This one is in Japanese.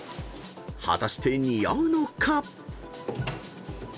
［果たして似合うのか？］